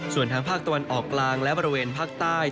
ส่วนทางภาคตะวันออกกลางและบริเวณภาคใต้